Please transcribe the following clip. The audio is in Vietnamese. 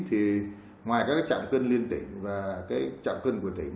thì ngoài các trạm cân liên tỉnh là trạm cân của tỉnh